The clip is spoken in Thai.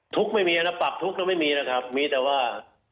ทุกข์ไม่มีนะปรับทุกข์ไม่มีนะครับมีแต่ว่า